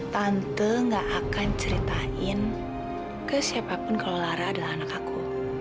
tante gak akan ceritain ke siapapun kalau lara adalah anak aku